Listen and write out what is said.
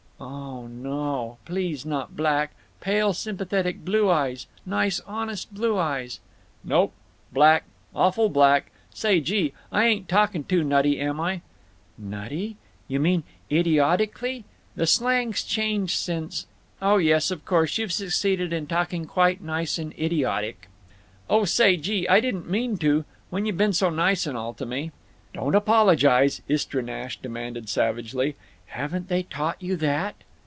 "Oh no o o! Please not black! Pale sympathetic blue eyes—nice honest blue eyes!" "Nope. Black. Awful black…. Say, gee, I ain't talking too nutty, am I?" "'Nutty'? You mean 'idiotically'? The slang's changed since—Oh yes, of course; you've succeeded in talking quite nice and 'idiotic.'" "Oh, say, gee, I didn't mean to—When you been so nice and all to me—" "Don't apologize!" Istra Nash demanded, savagely. "Haven't they taught you that?"